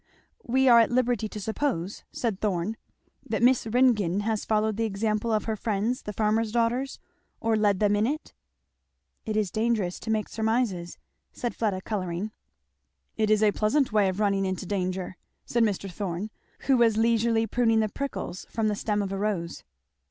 '" "We are at liberty to suppose," said Thorn, "that Miss Ringgan has followed the example of her friends the farmers' daughters? or led them in it? " "It is dangerous to make surmises," said Fleda colouring. "It is a pleasant way of running into danger," said Mr. Thorn, who was leisurely pruning the prickles from the stem of a rose.